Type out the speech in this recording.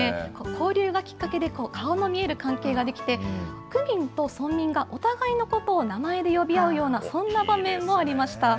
交流がきっかけで、顔の見える関係が出来て、区民と村民がお互いのことを名前で呼び合うような、そんな場面もありました。